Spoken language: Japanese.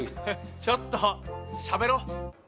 ちょっとしゃべろう！